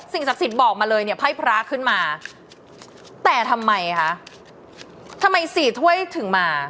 ศักดิ์สิทธิ์บอกมาเลยเนี่ยไพ่พระขึ้นมาแต่ทำไมคะทำไมสี่ถ้วยถึงมา